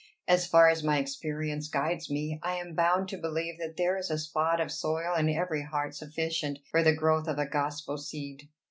As far as my experience guides me, I am bound to believe that there is a spot of soil in every heart sufficient for the growth of a gospel seed.